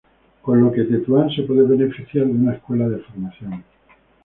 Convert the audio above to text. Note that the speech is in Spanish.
Con lo que Tetuán se puede beneficiar de una escuela de formación.